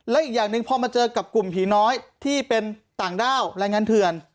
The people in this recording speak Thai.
และอีกอย่างหนึ่งพอมาเจอกับกลุ่มผีน้อยที่เป็นต่างด้าวแรงงานเถื่อน